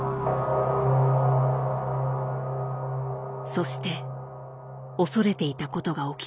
そして恐れていたことが起きた。